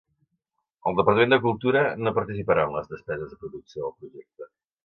El Departament de Cultura no participarà en les despeses de producció del projecte.